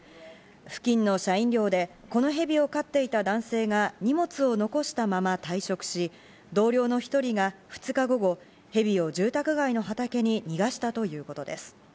付近の社員寮でこの蛇を飼っていた男性が荷物を残したまま退職し、同僚の１人が２日午後、ヘビを住宅街の畑に逃したということです。